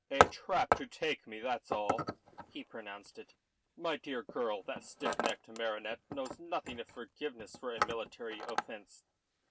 "A trap to take me, that's all," he pronounced it. "My dear girl, that stiff necked martinet knows nothing of forgiveness for a military offence.